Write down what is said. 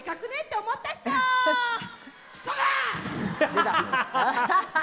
出た！